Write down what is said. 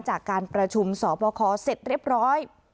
จากการประชุมสอบคอเสร็จเรียบร้อย